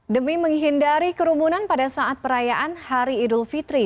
demi menghindari kerumunan pada saat perayaan hari idul fitri